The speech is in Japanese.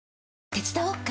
手伝おっか？